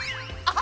あ！